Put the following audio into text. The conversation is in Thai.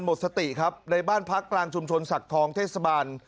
หมดสติครับในบ้านพักกลางชุมชนศักดิ์ทองเทศบาล